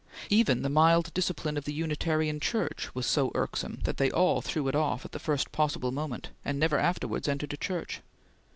Even the mild discipline of the Unitarian Church was so irksome that they all threw it off at the first possible moment, and never afterwards entered a church.